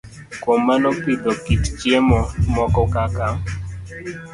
Kuom mano, pidho kit chiemo moko kaka